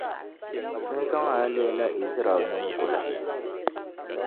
n zaŋ a leela Izraɛlnim’ gula.